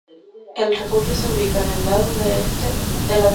El refugio se ubica en el lado este de la vía.